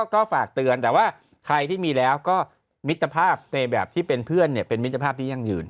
ก็ฝากเตือนแต่ว่าใครที่มีแล้วก็มิตรภาพในแบบที่เป็นเพื่อนเป็นมิตรภาพที่ยั่งยืน